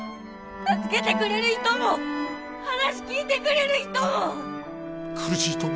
助けてくれる人も話聞いてくれる人も！